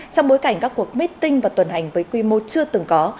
trong bối cảnh các cuộc meeting và tuần hành với quy mô chưa từng có